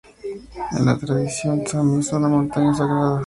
En la tradición sami es una montaña sagrada.